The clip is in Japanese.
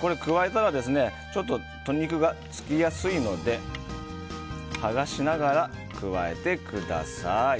これを加えたら鶏肉がつきやすいので剥がしながら加えてください。